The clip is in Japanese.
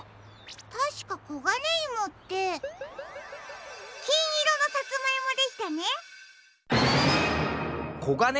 たしかコガネイモってきんいろのサツマイモでしたね。